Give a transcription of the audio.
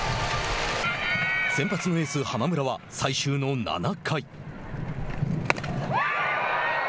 先発のエース、濱村は最終の７回。